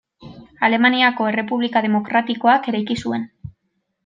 Alemaniako Errepublika demokratikoak eraiki zuen.